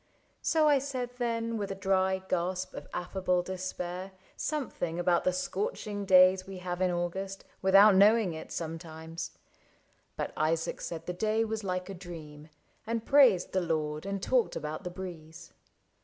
So I said then With a dry gasp of affable despair, Something about the scorching days we have In August without knowing it sometimes; But Isaac said the day was like a dream. And praised the Lord, and talked about the breeze.